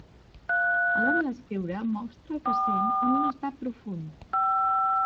A l'hora d'escriure mostra el que sent en un estat profund.